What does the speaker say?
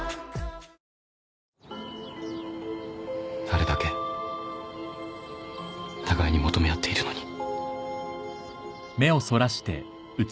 あれだけ互いに求め合っているのに。